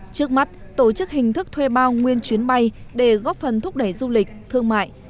trước mắt tổ chức hình thức thuê bao nguyên chuyến bay để góp phần thúc đẩy du lịch thương mại